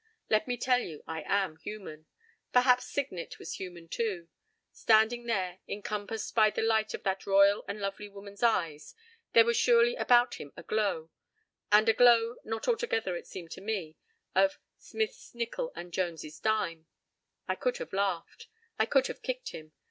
Let me tell you I am human. Perhaps Signet was human, too. Standing there, encompassed by the light of that royal and lovely woman's eyes, there was surely about him a glow—and a glow not altogether, it seemed to me, of "Smith's nickel and Jones's dime." I could have laughed. I could have kicked him.